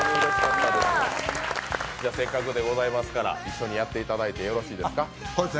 せっかくでございますから、一緒にやっていただいてよろしいですか？